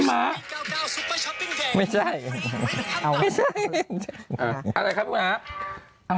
อะไรครับพี่วันท้ะ